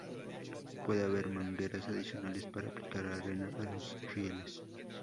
Puede haber mangueras adicionales para aplicar arena a los rieles.